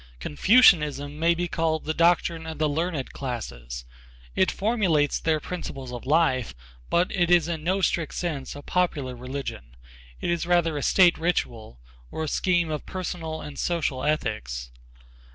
Confucianism may be called the doctrine of the learned classes. It formulates their principles of life, but it is in no strict sense a popular religion. It is rather a state ritual, or a scheme of personal and social ethics.